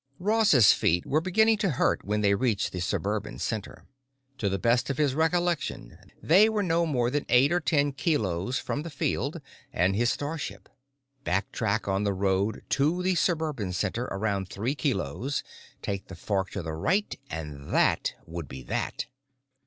Ross's feet were beginning to hurt when they reached the suburban center. To the best of his recollection, they were no more than eight or ten kilos from the field and his starship. Backtrack on the road to the suburban center about three kilos, take the fork to the right, and that would be that.